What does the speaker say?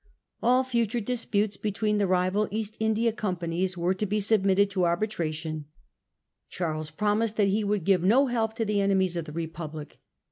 All future disputes between February" 19, rival East India Companies were to be i 6 74 submitted to arbitration. Charles promised that he would give no help to the enemies of the Re public.